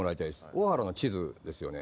オハラの地図ですよね。